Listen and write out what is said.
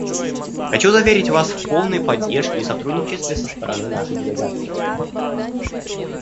Хочу заверить Вас в полной поддержке и сотрудничестве со стороны нашей делегации.